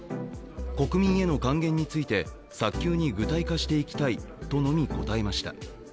国民への還元について早急に具体化していきたいとのみ答えました。